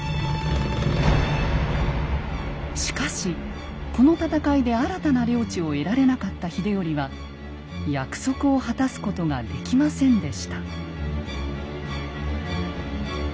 しかしこの戦いで新たな領地を得られなかった秀頼は約束を果たすことができませんでした。